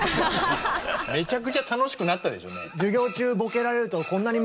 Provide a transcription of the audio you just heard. めちゃくちゃ楽しくなったでしょ。